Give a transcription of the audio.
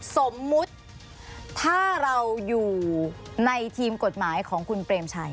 สมมุติถ้าเราอยู่ในทีมกฎหมายของคุณเปรมชัย